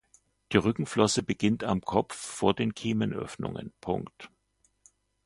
Die Rückenflosse beginnt am Kopf vor den Kiemenöffnungen.